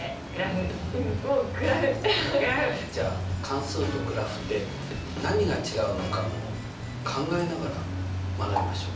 じゃあ関数とグラフって何が違うのかも考えながら学びましょう。